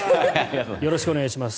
よろしくお願いします。